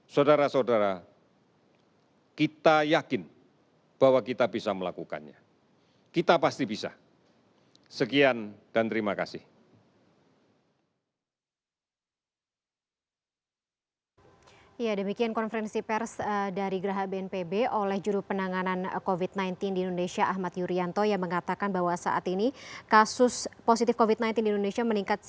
saudara saudara kita yakin bahwa kita bisa melakukannya kita pasti bisa